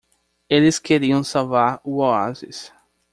Eles queriam salvar o oásis.